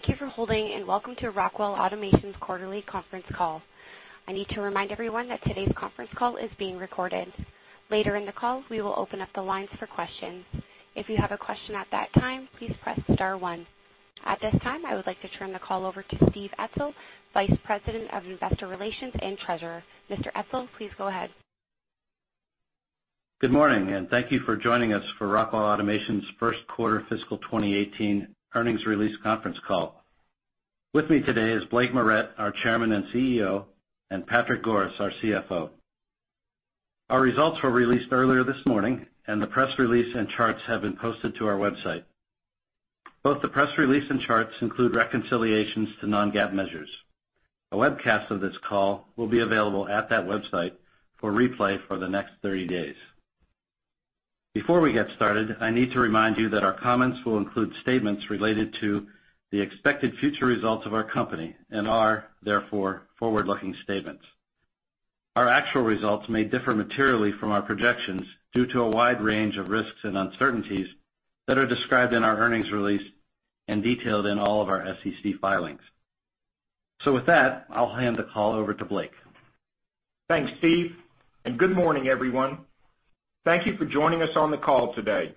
Thank you for holding. Welcome to Rockwell Automation's quarterly conference call. I need to remind everyone that today's conference call is being recorded. Later in the call, we will open up the lines for questions. If you have a question at that time, please press star one. At this time, I would like to turn the call over to Steve Etzel, Vice President of Investor Relations and Treasurer. Mr. Etzel, please go ahead. Good morning. Thank you for joining us for Rockwell Automation's first quarter fiscal 2018 earnings release conference call. With me today is Blake Moret, our Chairman and CEO, and Patrick Goris, our CFO. Our results were released earlier this morning, and the press release and charts have been posted to our website. Both the press release and charts include reconciliations to non-GAAP measures. A webcast of this call will be available at that website for replay for the next 30 days. Before we get started, I need to remind you that our comments will include statements related to the expected future results of our company and are therefore forward-looking statements. Our actual results may differ materially from our projections due to a wide range of risks and uncertainties that are described in our earnings release and detailed in all of our SEC filings. With that, I'll hand the call over to Blake. Thanks, Steve. Good morning, everyone. Thank you for joining us on the call today.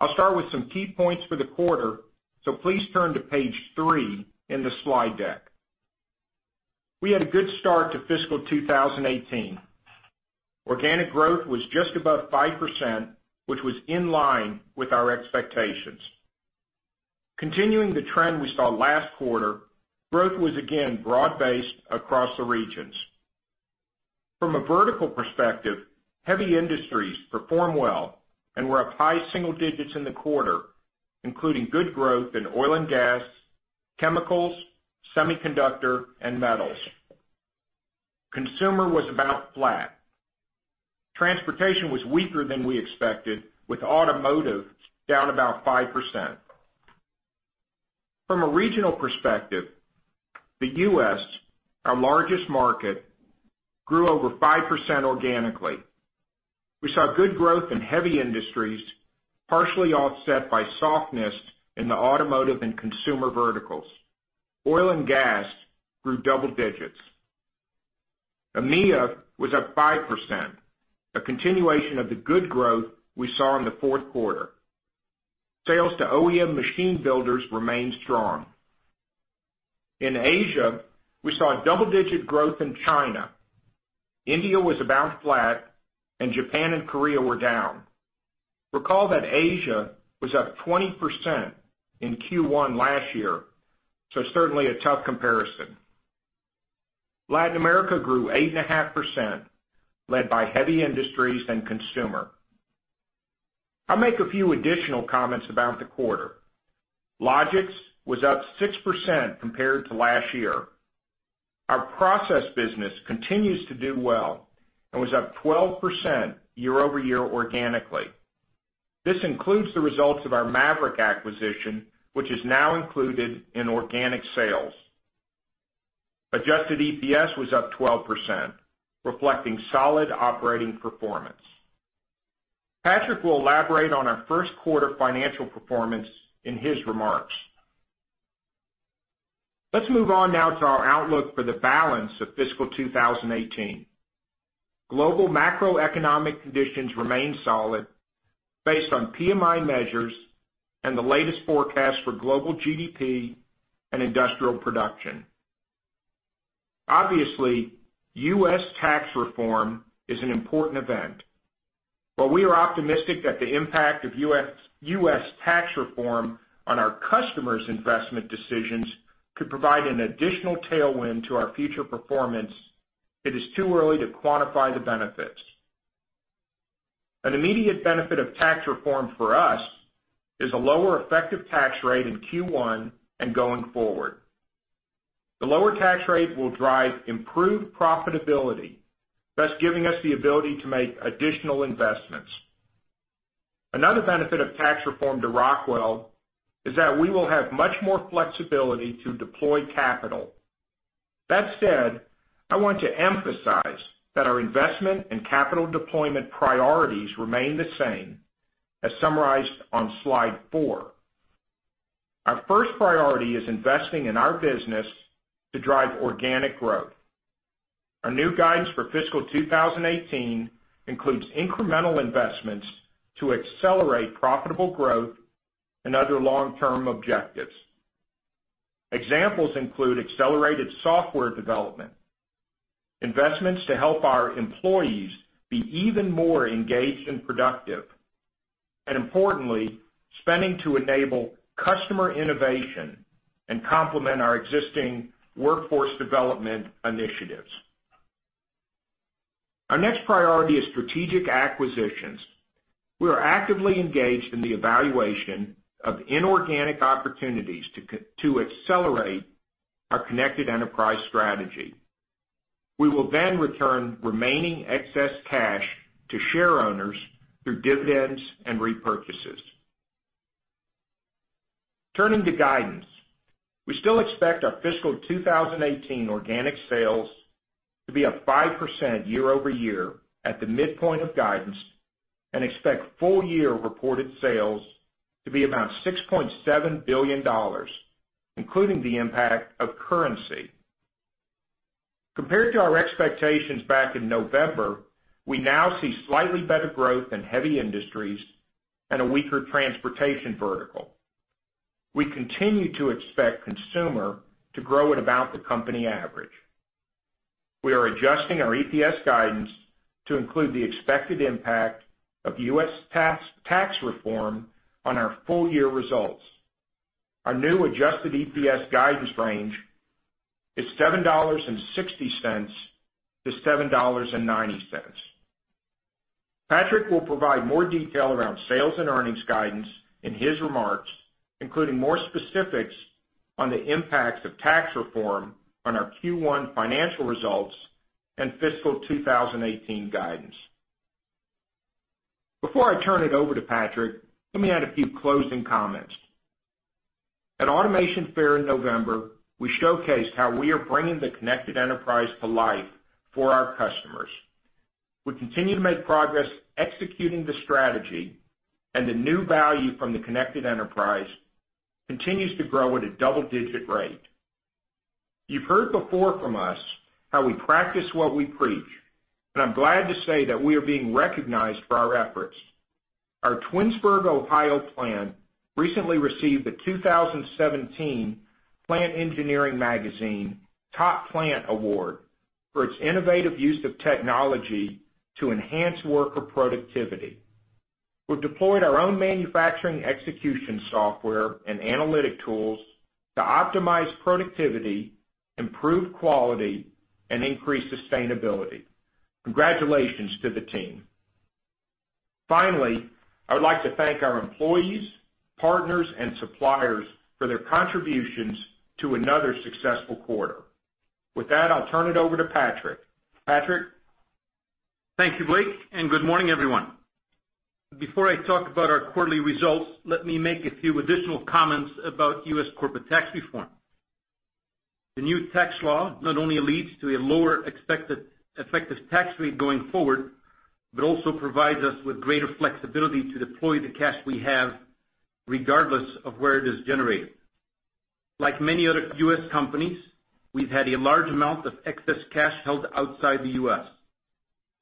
I'll start with some key points for the quarter. Please turn to page three in the slide deck. We had a good start to fiscal 2018. Organic growth was just above 5%, which was in line with our expectations. Continuing the trend we saw last quarter, growth was again broad-based across the regions. From a vertical perspective, heavy industries performed well and were up high single digits in the quarter, including good growth in oil and gas, chemicals, semiconductor, and metals. Consumer was about flat. Transportation was weaker than we expected, with automotive down about 5%. From a regional perspective, the U.S., our largest market, grew over 5% organically. We saw good growth in heavy industries, partially offset by softness in the automotive and consumer verticals. Oil and gas grew double digits. EMEA was up 5%, a continuation of the good growth we saw in the fourth quarter. Sales to OEM machine builders remained strong. In Asia, we saw double-digit growth in China. India was about flat, and Japan and Korea were down. Recall that Asia was up 20% in Q1 last year, certainly a tough comparison. Latin America grew 8.5%, led by heavy industries and consumer. I'll make a few additional comments about the quarter. Logix was up 6% compared to last year. Our process business continues to do well and was up 12% year-over-year organically. This includes the results of our Maverick acquisition, which is now included in organic sales. Adjusted EPS was up 12%, reflecting solid operating performance. Patrick will elaborate on our first quarter financial performance in his remarks. Let's move on now to our outlook for the balance of fiscal 2018. Global macroeconomic conditions remain solid based on PMI measures and the latest forecast for global GDP and industrial production. Obviously, U.S. tax reform is an important event. While we are optimistic that the impact of U.S. tax reform on our customers' investment decisions could provide an additional tailwind to our future performance, it is too early to quantify the benefits. An immediate benefit of tax reform for us is a lower effective tax rate in Q1 and going forward. The lower tax rate will drive improved profitability, thus giving us the ability to make additional investments. Another benefit of tax reform to Rockwell is that we will have much more flexibility to deploy capital. That said, I want to emphasize that our investment and capital deployment priorities remain the same as summarized on slide four. Our first priority is investing in our business to drive organic growth. Our new guidance for fiscal 2018 includes incremental investments to accelerate profitable growth and other long-term objectives. Examples include accelerated software development, investments to help our employees be even more engaged and productive, and importantly, spending to enable customer innovation and complement our existing workforce development initiatives. Our next priority is strategic acquisitions. We are actively engaged in the evaluation of inorganic opportunities to accelerate our Connected Enterprise strategy. We will return remaining excess cash to shareowners through dividends and repurchases. Turning to guidance, we still expect our fiscal 2018 organic sales to be up 5% year-over-year at the midpoint of guidance and expect full year reported sales to be about $6.7 billion, including the impact of currency. Compared to our expectations back in November, we now see slightly better growth in heavy industries and a weaker transportation vertical. We continue to expect consumer to grow at about the company average. We are adjusting our EPS guidance to include the expected impact of U.S. tax reform on our full year results. Our new adjusted EPS guidance range is $7.60-$7.90. Patrick will provide more detail around sales and earnings guidance in his remarks, including more specifics on the impacts of tax reform on our Q1 financial results and fiscal 2018 guidance. Before I turn it over to Patrick, let me add a few closing comments. At Automation Fair in November, we showcased how we are bringing the Connected Enterprise to life for our customers. We continue to make progress executing the strategy, and the new value from the Connected Enterprise continues to grow at a double-digit rate. You've heard before from us how we practice what we preach, and I'm glad to say that we are being recognized for our efforts. Our Twinsburg, Ohio plant recently received the 2017 Plant Engineering magazine Top Plant Award for its innovative use of technology to enhance worker productivity. We've deployed our own manufacturing execution software and analytic tools to optimize productivity, improve quality, and increase sustainability. Congratulations to the team. Finally, I would like to thank our employees, partners, and suppliers for their contributions to another successful quarter. With that, I'll turn it over to Patrick. Patrick? Thank you, Blake, and good morning, everyone. Before I talk about our quarterly results, let me make a few additional comments about U.S. corporate tax reform. The new tax law not only leads to a lower expected effective tax rate going forward but also provides us with greater flexibility to deploy the cash we have, regardless of where it is generated. Like many other U.S. companies, we've had a large amount of excess cash held outside the U.S.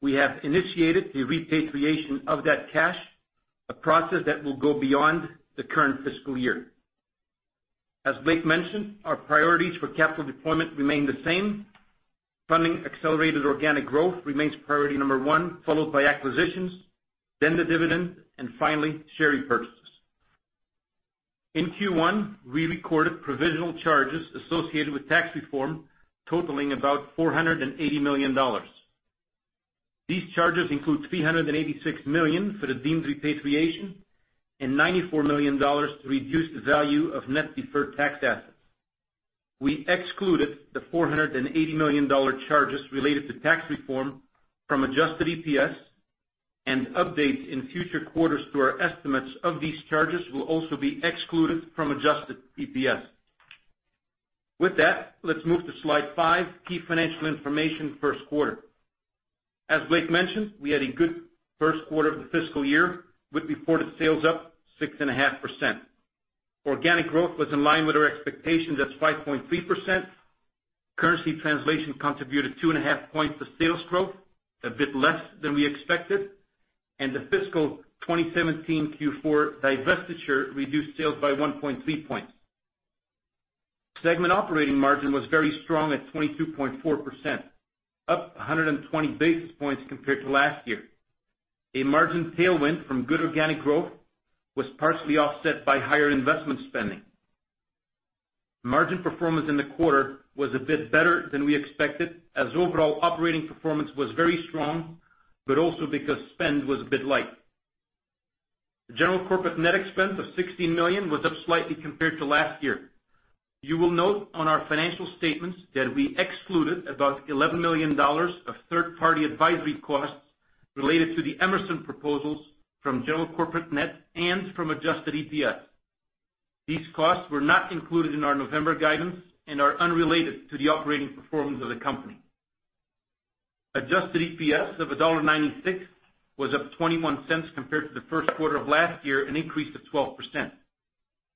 We have initiated the repatriation of that cash, a process that will go beyond the current fiscal year. As Blake mentioned, our priorities for capital deployment remain the same. Funding accelerated organic growth remains priority number 1, followed by acquisitions, then the dividend, and finally, share repurchases. In Q1, we recorded provisional charges associated with tax reform totaling about $480 million. These charges include $386 million for the deemed repatriation and $94 million to reduce the value of net deferred tax assets. We excluded the $480 million charges related to tax reform from adjusted EPS, and updates in future quarters to our estimates of these charges will also be excluded from adjusted EPS. With that, let's move to slide five, key financial information first quarter. As Blake mentioned, we had a good first quarter of the fiscal year, with reported sales up 6.5%. Organic growth was in line with our expectations at 5.3%. Currency translation contributed two and a half points to sales growth, a bit less than we expected, and the fiscal 2017 Q4 divestiture reduced sales by 1.3 points. Segment operating margin was very strong at 22.4%, up 120 basis points compared to last year. A margin tailwind from good organic growth was partially offset by higher investment spending. Margin performance in the quarter was a bit better than we expected, as overall operating performance was very strong, but also because spend was a bit light. The general corporate net expense of $16 million was up slightly compared to last year. You will note on our financial statements that we excluded about $11 million of third-party advisory costs related to the Emerson proposals from general corporate net and from adjusted EPS. These costs were not included in our November guidance and are unrelated to the operating performance of the company. Adjusted EPS of $1.96 was up $0.21 compared to the first quarter of last year, an increase of 12%.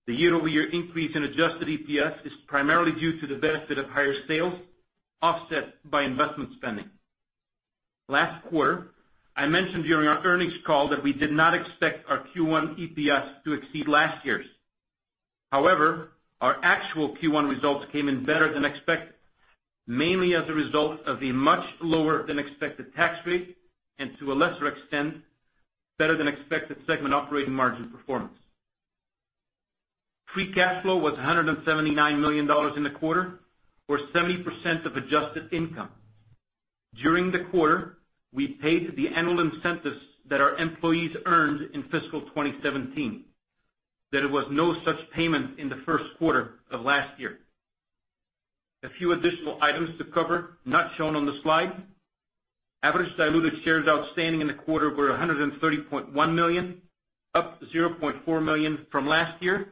The year-over-year increase in adjusted EPS is primarily due to the benefit of higher sales offset by investment spending. Last quarter, I mentioned during our earnings call that we did not expect our Q1 EPS to exceed last year's. However, our actual Q1 results came in better than expected, mainly as a result of a much lower than expected tax rate and to a lesser extent, better than expected segment operating margin performance. Free cash flow was $179 million in the quarter or 70% of adjusted income. During the quarter, we paid the annual incentives that our employees earned in fiscal 2017. There was no such payment in the first quarter of last year. A few additional items to cover, not shown on the slide. Average diluted shares outstanding in the quarter were 130.1 million, up 0.4 million from last year.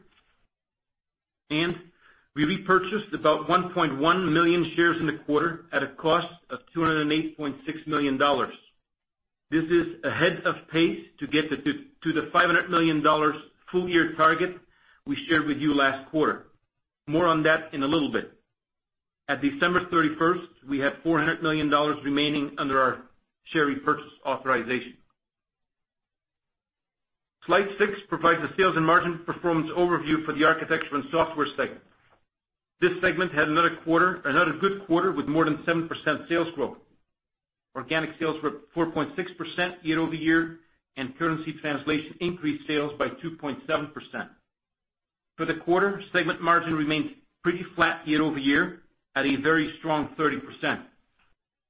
We repurchased about 1.1 million shares in the quarter at a cost of $208.6 million. This is ahead of pace to get to the $500 million full-year target we shared with you last quarter. More on that in a little bit. At December 31st, we had $400 million remaining under our share repurchase authorization. Slide six provides a sales and margin performance overview for the Architecture and Software segment. This segment had another good quarter with more than 7% sales growth. Organic sales were 4.6% year-over-year, and currency translation increased sales by 2.7%. For the quarter, segment margin remained pretty flat year-over-year at a very strong 30%.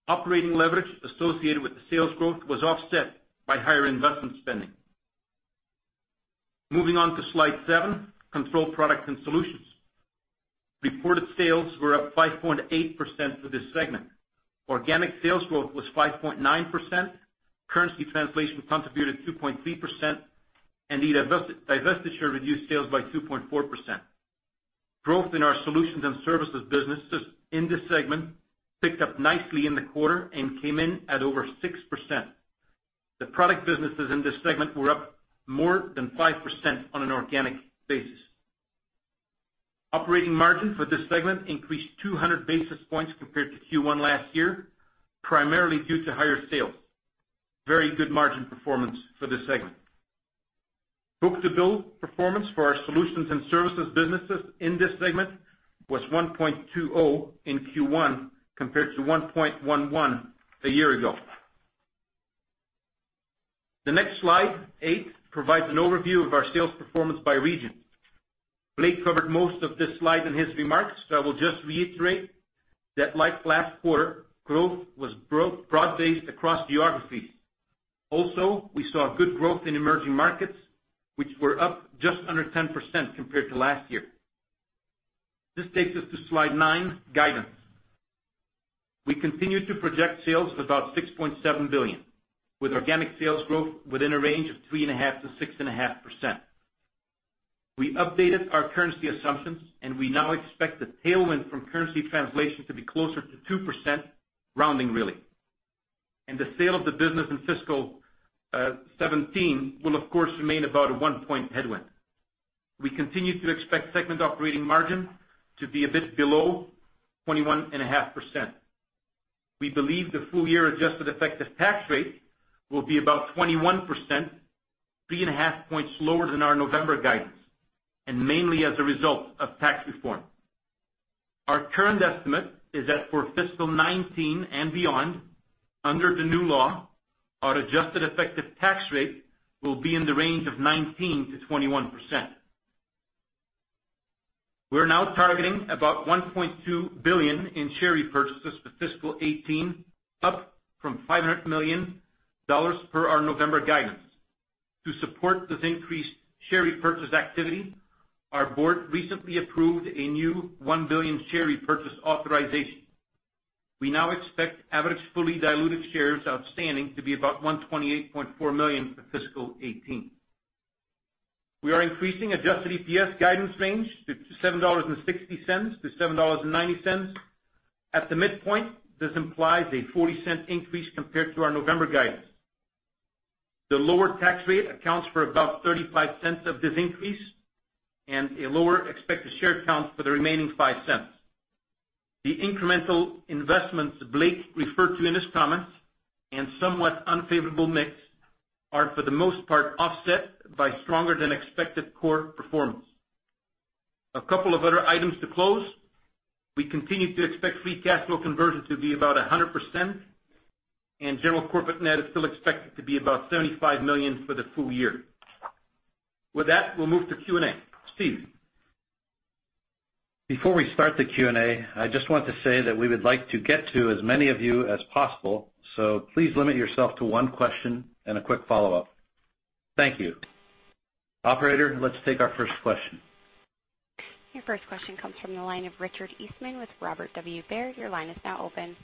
Operating leverage associated with the sales growth was offset by higher investment spending. Moving on to slide seven, Control Products and Solutions. Reported sales were up 5.8% for this segment. Organic sales growth was 5.9%, currency translation contributed 2.3%, and divestiture reduced sales by 2.4%. Growth in our solutions and services businesses in this segment picked up nicely in the quarter and came in at over 6%. The product businesses in this segment were up more than 5% on an organic basis. Operating margin for this segment increased 200 basis points compared to Q1 last year, primarily due to higher sales. Very good margin performance for this segment. Book-to-bill performance for our solutions and services businesses in this segment was 1.20 in Q1 compared to 1.11 a year ago. The next slide, eight, provides an overview of our sales performance by region. Blake covered most of this slide in his remarks, so I will just reiterate that like last quarter, growth was broad-based across geographies. We saw good growth in emerging markets, which were up just under 10% compared to last year. This takes us to slide nine, Guidance. We continue to project sales of about $6.7 billion, with organic sales growth within a range of 3.5%-6.5%. We updated our currency assumptions, and we now expect the tailwind from currency translation to be closer to 2%, rounding really. The sale of the business in fiscal 2017 will, of course, remain about a one-point headwind. We continue to expect segment operating margin to be a bit below 21.5%. We believe the full-year adjusted effective tax rate will be about 21%, 3.5 points lower than our November guidance, and mainly as a result of tax reform. Our current estimate is that for fiscal 2019 and beyond, under the new law, our adjusted effective tax rate will be in the range of 19%-21%. We're now targeting about $1.2 billion in share repurchases for fiscal 2018, up from $500 million per our November guidance. To support this increased share repurchase activity, our board recently approved a new $1 billion share repurchase authorization. We now expect average fully diluted shares outstanding to be about 128.4 million for fiscal 2018. We are increasing adjusted EPS guidance range to $7.60-$7.90. At the midpoint, this implies a $0.40 increase compared to our November guidance. The lower tax rate accounts for about $0.35 of this increase, and a lower expected share count for the remaining $0.05. The incremental investments Blake referred to in his comments and somewhat unfavorable mix are, for the most part, offset by stronger than expected core performance. A couple of other items to close. We continue to expect free cash flow conversion to be about 100%, and general corporate net is still expected to be about $75 million for the full year. With that, we will move to Q&A. Steve? Before we start the Q&A, I just want to say that we would like to get to as many of you as possible. Please limit yourself to one question and a quick follow-up. Thank you. Operator, let's take our first question. Your first question comes from the line of Richard Eastman with Robert W. Baird. Your line is now open.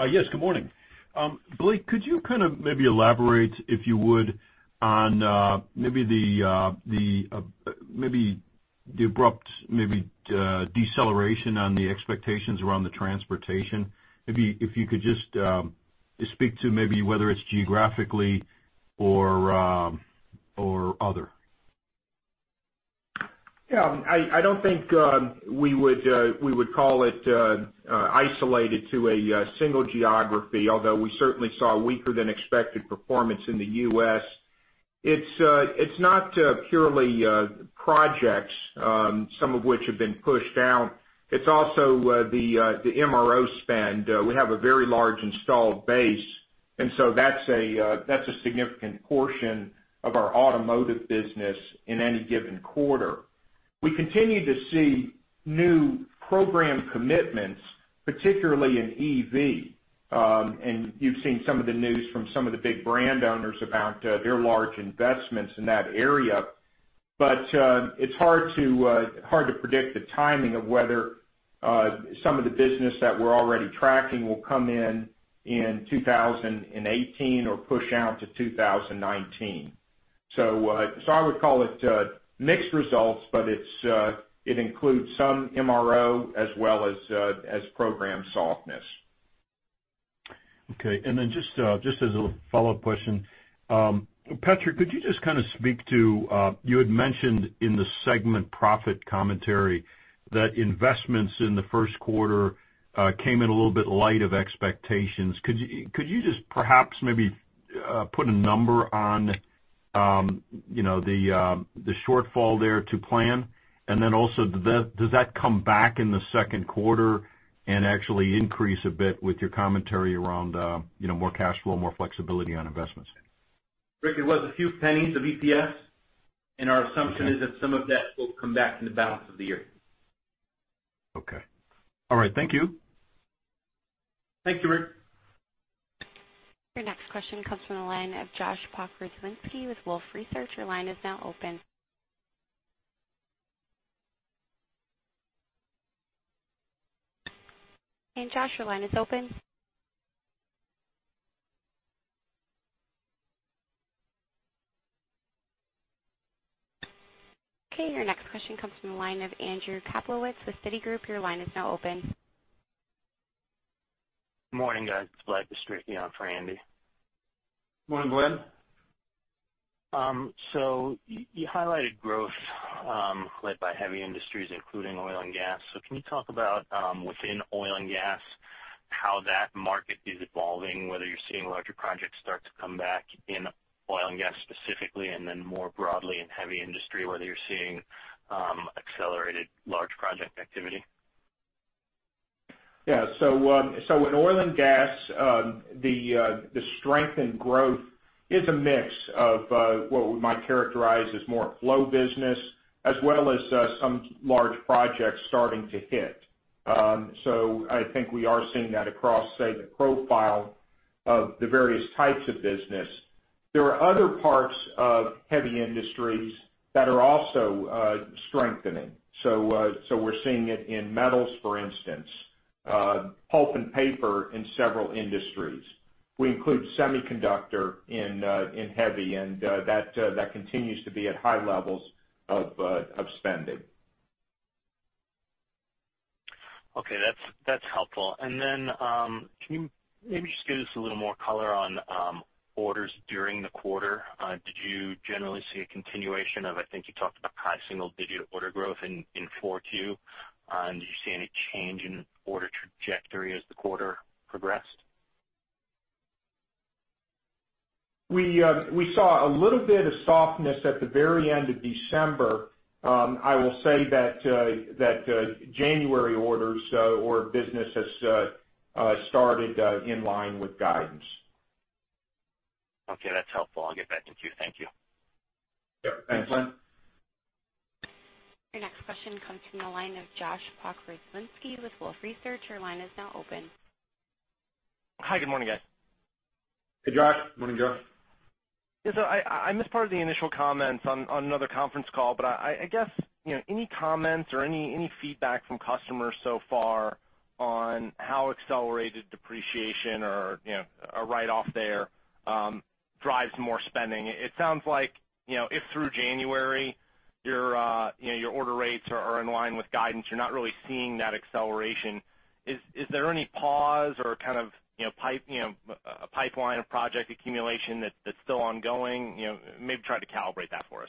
Good morning. Blake, could you maybe elaborate, if you would, on the abrupt deceleration on the expectations around the transportation? Maybe if you could just speak to maybe whether it is geographically or other. Yeah, I don't think we would call it isolated to a single geography, although we certainly saw weaker than expected performance in the U.S. It's not purely projects, some of which have been pushed out. It's also the MRO spend. We have a very large installed base, so that's a significant portion of our automotive business in any given quarter. We continue to see new program commitments, particularly in EV. You've seen some of the news from some of the big brand owners about their large investments in that area. It's hard to predict the timing of whether Some of the business that we're already tracking will come in in 2018 or push out to 2019. I would call it mixed results, it includes some MRO as well as program softness. Okay. Just as a follow-up question. Patrick, could you just kind of speak to, you had mentioned in the segment profit commentary that investments in the first quarter came in a little bit light of expectations. Could you just perhaps, maybe, put a number on the shortfall there to plan? Also, does that come back in the second quarter and actually increase a bit with your commentary around more cash flow, more flexibility on investments? Richard, it was a few pennies of EPS, our assumption is that some of that will come back in the balance of the year. Okay. All right. Thank you. Thank you, Richard. Your next question comes from the line of Josh Pokrzywinski with Wolfe Research. Your line is now open. Josh, your line is open. Okay, your next question comes from the line of Andrew Kaplowitz with Citigroup. Your line is now open. Morning, guys. It's Glenn speaking on for Andy. Morning, Glenn. You highlighted growth led by heavy industries including oil and gas. Can you talk about within oil and gas how that market is evolving, whether you're seeing larger projects start to come back in oil and gas specifically, and then more broadly in heavy industry, whether you're seeing accelerated large project activity? Yeah. In oil and gas, the strength in growth is a mix of what we might characterize as more flow business as well as some large projects starting to hit. I think we are seeing that across, say, the profile of the various types of business. There are other parts of heavy industries that are also strengthening. We're seeing it in metals, for instance, pulp and paper in several industries. We include semiconductor in heavy, and that continues to be at high levels of spending. Okay. That's helpful. Can you maybe just give us a little more color on orders during the quarter? Did you generally see a continuation of, I think you talked about high single-digit order growth in 4Q, did you see any change in order trajectory as the quarter progressed? We saw a little bit of softness at the very end of December. I will say that January orders or business has started in line with guidance. Okay. That's helpful. I'll get back in queue. Thank you. Sure. Thanks. Your next question comes from the line of Josh Pokrzywinski with Wolfe Research. Your line is now open. Hi. Good morning, guys. Hey, Josh. Good morning, Josh. Yeah. I missed part of the initial comments on another conference call, but I guess any comments or any feedback from customers so far on how accelerated depreciation or a write-off there drives more spending? It sounds like if through January your order rates are in line with guidance, you're not really seeing that acceleration. Is there any pause or kind of a pipeline of project accumulation that's still ongoing? Maybe try to calibrate that for us.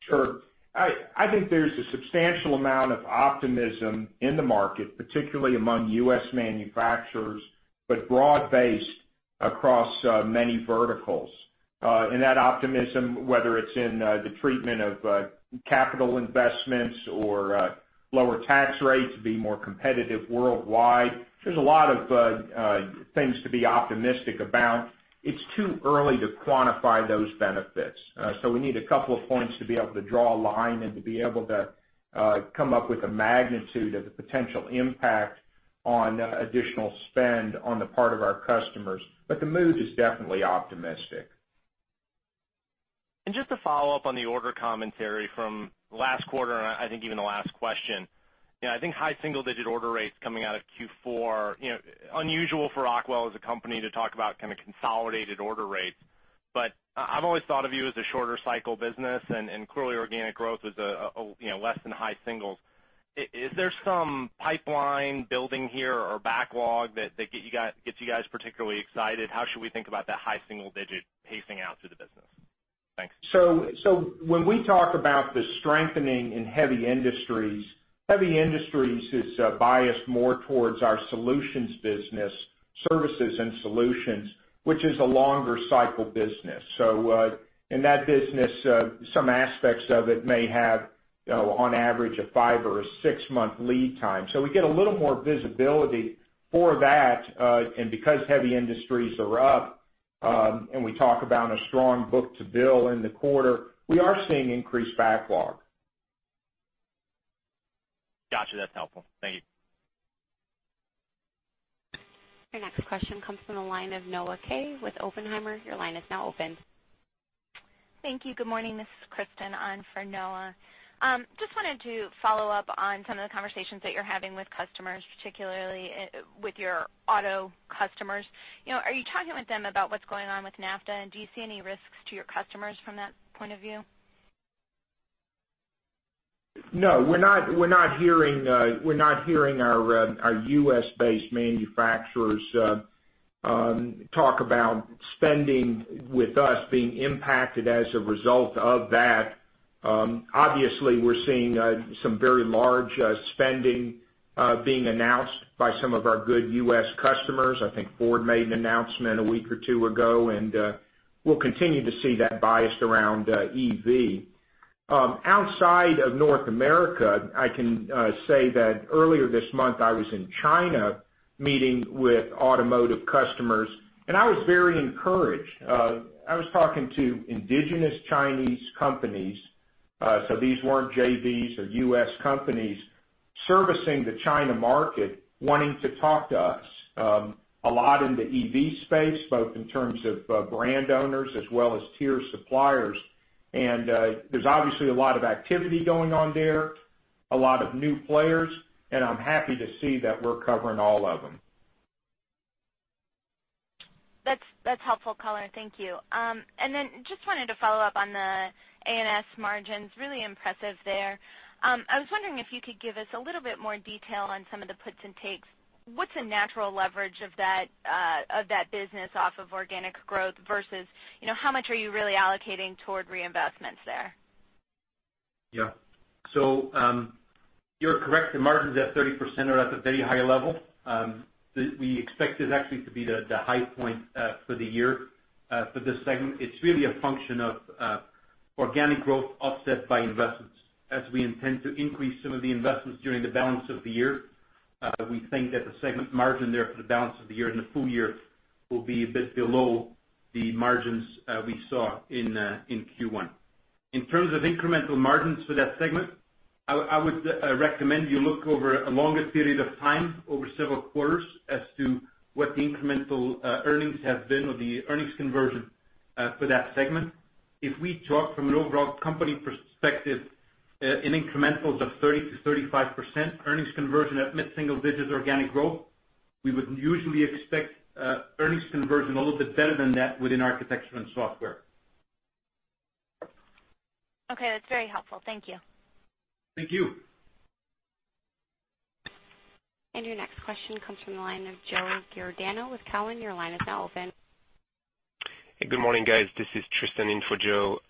Sure. I think there's a substantial amount of optimism in the market, particularly among U.S. manufacturers, but broad-based across many verticals. That optimism, whether it's in the treatment of capital investments or lower tax rates, be more competitive worldwide. There's a lot of things to be optimistic about. It's too early to quantify those benefits. We need a couple of points to be able to draw a line and to be able to come up with a magnitude of the potential impact on additional spend on the part of our customers. The mood is definitely optimistic. Just to follow up on the order commentary from last quarter, I think even the last question. I think high single-digit order rates coming out of Q4, unusual for Rockwell as a company to talk about kind of consolidated order rates. I've always thought of you as a shorter cycle business, and clearly organic growth was less than high singles. Is there some pipeline building here or backlog that gets you guys particularly excited? How should we think about that high single-digit pacing out through the business? Thanks. When we talk about the strengthening in heavy industries, heavy industries is biased more towards our solutions business, services and solutions, which is a longer cycle business. In that business, some aspects of it may have on average a five or a six-month lead time. We get a little more visibility for that, and because heavy industries are up, and we talk about a strong book-to-bill in the quarter, we are seeing increased backlog. Got you. That's helpful. Thank you. Your next question comes from the line of Noah Kaye with Oppenheimer. Your line is now open. Thank you. Good morning. This is Kristen on for Noah. Just wanted to follow up on some of the conversations that you're having with customers, particularly with your auto customers. Are you talking with them about what's going on with NAFTA, and do you see any risks to your customers from that point of view? No, we're not hearing our U.S.-based manufacturers talk about spending with us being impacted as a result of that. Obviously, we're seeing some very large spending being announced by some of our good U.S. customers. I think Ford made an announcement a week or two ago, and we'll continue to see that biased around EV. Outside of North America, I can say that earlier this month, I was in China meeting with automotive customers, and I was very encouraged. I was talking to indigenous Chinese companies, so these weren't JVs or U.S. companies, servicing the China market, wanting to talk to us. A lot in the EV space, both in terms of brand owners as well as tier suppliers. There's obviously a lot of activity going on there, a lot of new players, and I'm happy to see that we're covering all of them. That's helpful, color. Thank you. Then just wanted to follow up on the A&S margins. Really impressive there. I was wondering if you could give us a little bit more detail on some of the puts and takes. What's a natural leverage of that business off of organic growth versus how much are you really allocating toward reinvestments there? Yeah. You're correct. The margins at 30% are at the very high level. We expect this actually to be the high point for the year for this segment. It's really a function of organic growth offset by investments, as we intend to increase some of the investments during the balance of the year. We think that the segment margin there for the balance of the year and the full year will be a bit below the margins we saw in Q1. In terms of incremental margins for that segment, I would recommend you look over a longer period of time over several quarters as to what the incremental earnings have been, or the earnings conversion for that segment. If we talk from an overall company perspective, in incrementals of 30%-35% earnings conversion at mid-single digits organic growth, we would usually expect earnings conversion a little bit better than that within Architecture and Software. Okay, that's very helpful. Thank you. Thank you. Your next question comes from the line of Joseph Giordano with Cowen. Your line is now open. Hey, good morning, guys. This is Tristan in for Joe.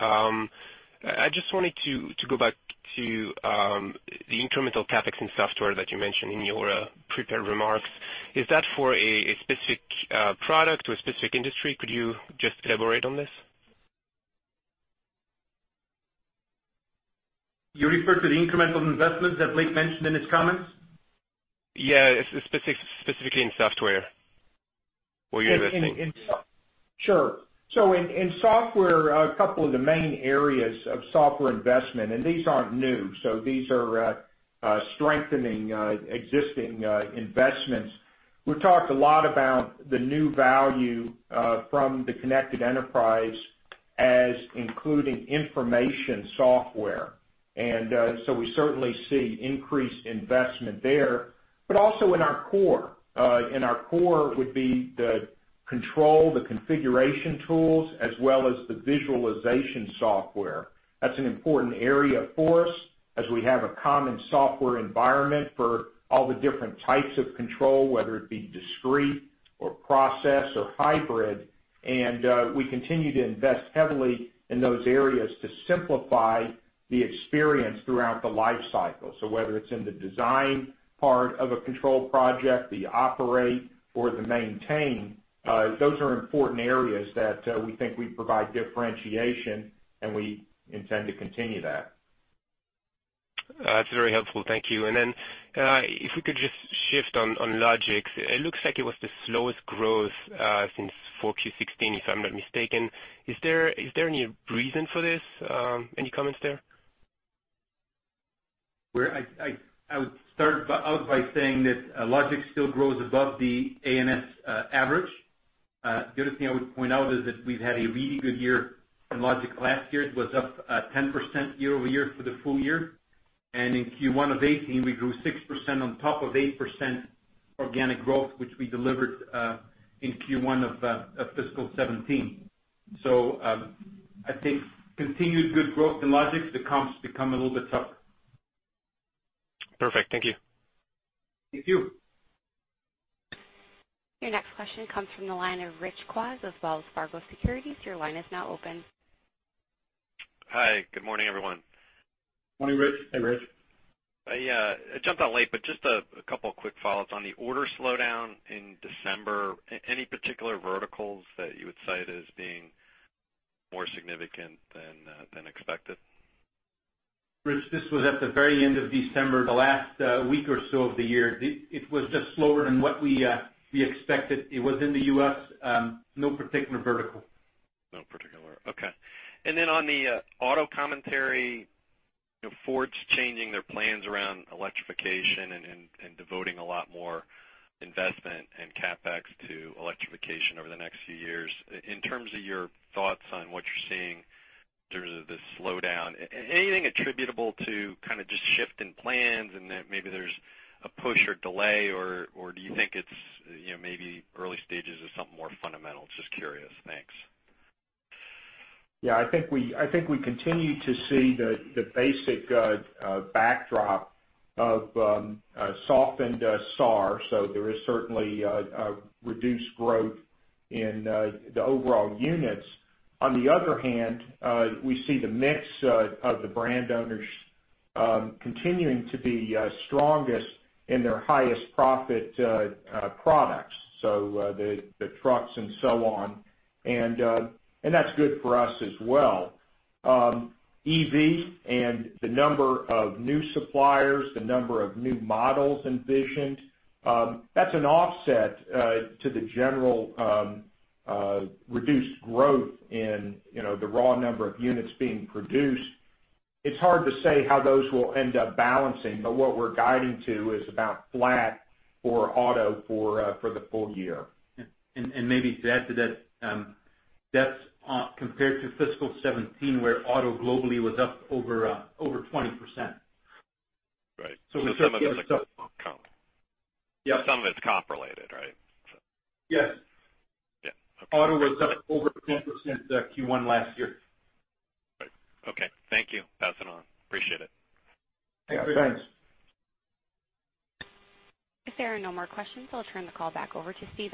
I just wanted to go back to the incremental CapEx in software that you mentioned in your prepared remarks. Is that for a specific product or a specific industry? Could you just elaborate on this? You refer to the incremental investments that Blake mentioned in his comments? Yeah, specifically in software, where you're investing. Sure. In software, a couple of the main areas of software investment, and these aren't new, so these are strengthening existing investments. We've talked a lot about the new value from the Connected Enterprise as including information software. We certainly see increased investment there. Also in our core. In our core would be the control, the configuration tools, as well as the visualization software. That's an important area for us, as we have a common software environment for all the different types of control, whether it be discrete or process or hybrid. We continue to invest heavily in those areas to simplify the experience throughout the life cycle. Whether it's in the design part of a control project, the operate, or the maintain, those are important areas that we think we provide differentiation, and we intend to continue that. That's very helpful. Thank you. If we could just shift on Logix. It looks like it was the slowest growth since 4Q 2016, if I'm not mistaken. Is there any reason for this? Any comments there? I would start out by saying that Logix still grows above the A&S average. The other thing I would point out is that we've had a really good year in Logix last year. It was up 10% year-over-year for the full year. In Q1 of 2018, we grew 6% on top of 8% organic growth, which we delivered in Q1 of fiscal 2017. I think continued good growth in Logix, the comps become a little bit tougher. Perfect. Thank you. Thank you. Your next question comes from the line of Rich Kwas as well as Wells Fargo Securities. Your line is now open. Hi, good morning, everyone. Morning, Rich. Hey, Rich. I jumped on late, but just a couple of quick follow-ups on the order slowdown in December. Any particular verticals that you would cite as being more significant than expected? Rich, this was at the very end of December, the last week or so of the year. It was just slower than what we expected. It was in the U.S., no particular vertical. No particular. Okay. On the auto commentary, Ford's changing their plans around electrification and devoting a lot more investment and CapEx to electrification over the next few years. In terms of your thoughts on what you're seeing in terms of this slowdown, anything attributable to kind of just shift in plans and that maybe there's a push or delay, or do you think it's maybe early stages of something more fundamental? Just curious. Thanks. Yeah, I think we continue to see the basic backdrop of softened SAAR, there is certainly a reduced growth in the overall units. On the other hand, we see the mix of the brand owners continuing to be strongest in their highest profit products, the trucks and so on. That's good for us as well. EV and the number of new suppliers, the number of new models envisioned, that's an offset to the general reduced growth in the raw number of units being produced. It's hard to say how those will end up balancing, what we're guiding to is about flat for auto for the full year. Maybe to add to that's compared to fiscal 2017, where auto globally was up over 20%. Right. Some of it's comp. Yeah. Some of it's comp-related, right? Yes. Yeah. Okay. Auto was up over 10% Q1 last year. Right. Okay. Thank you. Passing on. Appreciate it. Thanks. If there are no more questions, I'll turn the call back over to Steve.